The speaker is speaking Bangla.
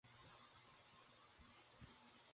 সেদিন যাদব কেমন করিয়া মরিবেন?